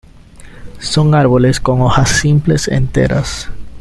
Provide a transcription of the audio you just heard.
Son árboles con hojas simples, enteras.